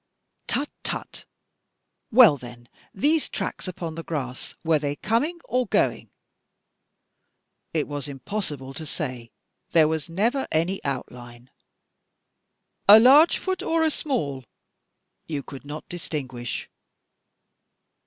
"Tut tut! Well, then, these tracks upon the grass, were they coming or going?" "It was impossible to say. There was never any outline." "A large foot or a small?" "You could not distinguish."